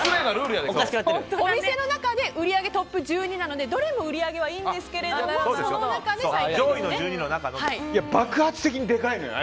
お店の中で売り上げトップ１２なのでどれも売り上げはいいんですけどその中で最下位ですね。